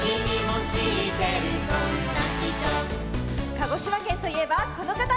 鹿児島県といえばこのかた！